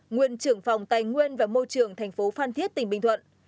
nguyên trưởng phòng tài nguyên và môi trường thành phố phan thiết tỉnh bình thuận